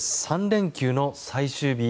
３連休の最終日。